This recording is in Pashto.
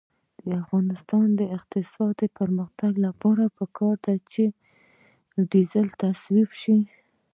د افغانستان د اقتصادي پرمختګ لپاره پکار ده چې ډیزل تصفیه شي.